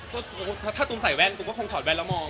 ก็คงแบบถ้าตุ้มใส่แว่นก็คงถอดแว่นแล้วมอง